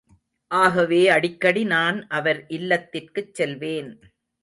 ஆகவே அடிக்கடி நான் அவர் இல்லத்திற்குச் செல்வேன்.